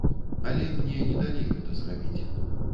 Але мне не далі гэта зрабіць.